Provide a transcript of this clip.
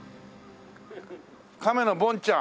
カメのボンちゃん。